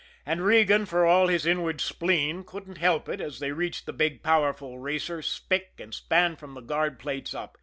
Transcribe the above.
And Regan, for all his inward spleen, couldn't help it, as they reached the big, powerful racer, spick and span from the guard plates up.